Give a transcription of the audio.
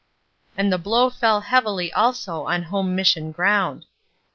And the blow fell heavily also on home mission ground.